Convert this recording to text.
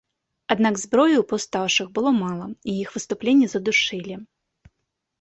Аднак зброі ў паўстаўшых было мала і іх выступленне задушылі.